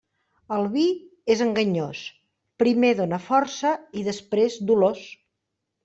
El vi és enganyós: primer dóna força i després dolors.